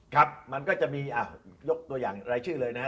ครับมันก็จะมียกตัวอย่างรายชื่อเลยนะฮะ